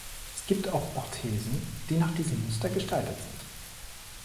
Es gibt auch Orthesen, die nach diesem Muster gestaltet sind.